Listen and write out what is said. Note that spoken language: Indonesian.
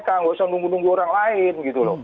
tidak usah menunggu nunggu orang lain